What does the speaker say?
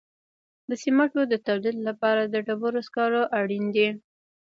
د سمنټو د تولید لپاره د ډبرو سکاره اړین دي.